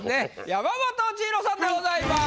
山本千尋さんでございます。